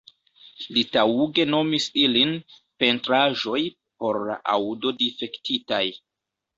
Li taŭge nomis ilin "Pentraĵoj por la Aŭdo-Difektitaj.